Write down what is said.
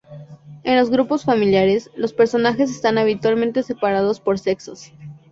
En los grupos familiares, los personajes están habitualmente separados por sexos.